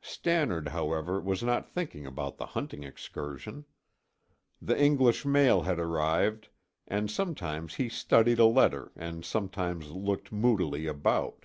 Stannard, however, was not thinking about the hunting excursion. The English mail had arrived and sometimes he studied a letter and sometimes looked moodily about.